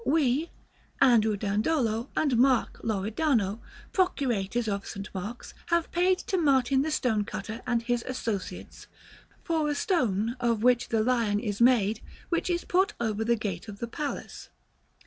We, Andrew Dandolo and Mark Loredano, procurators of St. Mark's, have paid to Martin the stone cutter and his associates ... for a stone of which the lion is made which is put over the gate of the palace."